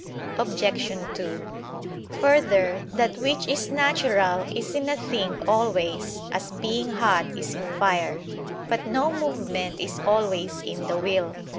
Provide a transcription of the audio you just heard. Obj. 2: Further, that which is natural is in a thing always: as "being hot" is in fire. But no movement is always in the will.